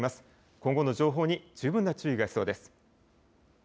今後の情報に十分な注意が必要です。